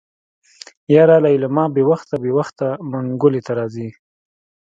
يره ليلما بې وخته بې وخته منګلي ته راځي.